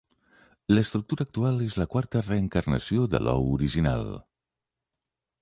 L'estructura actual és la quarta reencarnació de l'ou original.